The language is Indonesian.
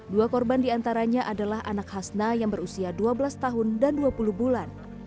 dua korban diantaranya adalah anak hasna yang berusia dua belas tahun dan dua puluh bulan